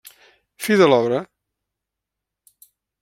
Fi de l'obra.